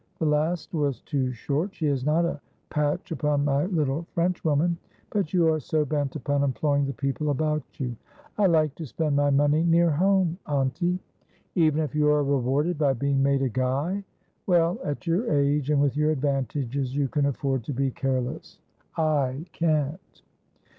The last was too short. She is not a patch upon my little Frenchwoman. But you are so bent upon employing the people about you.' ' I like to spend my money near home, auntie.' 212 A'^pliodcl. ' Even if you are rewarded by being made a guy. Well, at your age, and with your advantages, you can afford to be care less. I can't.'